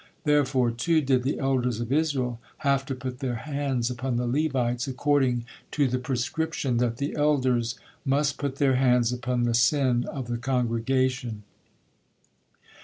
Therefore, too, did the elders of Israel have to put their hands upon the Levites, according to the prescription that the elders must put their hands upon the sin of the congregation.